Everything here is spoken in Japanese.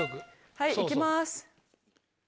はい行きます。